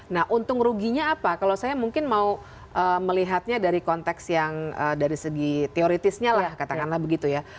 nah untung ruginya apa kalau saya mungkin mau melihatnya dari konteks yang dari segi teoritisnya lah katakanlah begitu ya